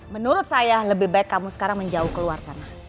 menurut saya lebih baik kamu sekarang menjauh keluar sana